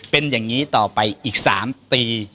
เป็นอย่างนี้ต่อไปอีก๓ปี